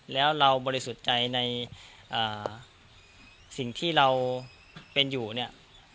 แล้วเราบริสุทธิ์ใจในสิ่งที่เราเป็นอยู่เนี่ย